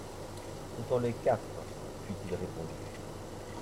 Ce sont les Cafres! fut-il répondu.